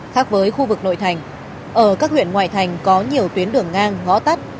khác với khu vực nội thành ở các huyện ngoại thành có nhiều tuyến đường ngang ngõ tắt